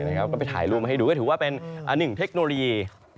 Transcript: นี่นะครับก็ไปถ่ายรูปมาให้ดูก็ถือว่าเป็นอันหนึ่งเทคโนโลยี